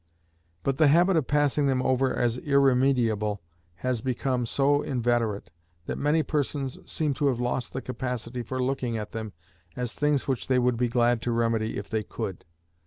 But the habit of passing them over as irremediable has become so inveterate, that many persons seem to have lost the capacity of looking at them as things which they would be glad to remedy if they could.